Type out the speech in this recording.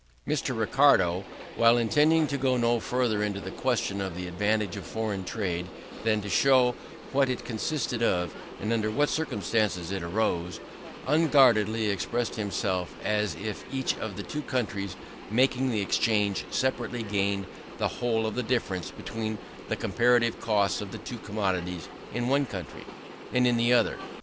Mr. Ricardo, while intending to go no further into the question of the advantage of foreign trade than to show what it consisted of, and under what circumstances it arose, unguardedly expressed himself as if each of the two countries making the exchange separately gained the whole of the difference between the comparative costs of the two commodities in one country and in the other.